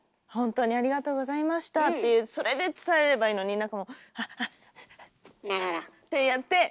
「ほんとにありがとうございました」ってそれで伝えればいいのに「あっあ」ってやって。